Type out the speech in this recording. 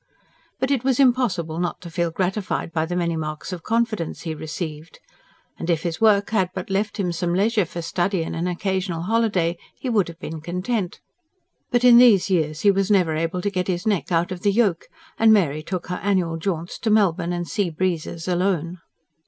But it was impossible not to feel gratified by the many marks of confidence he received. And if his work had but left him some leisure for study and an occasional holiday, he would have been content. But in these years he was never able to get his neck out of the yoke; and Mary took her annual jaunts to Melbourne and sea breezes alone.